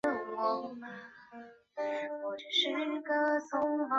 二叉破布木为紫草科破布木属下的一个种。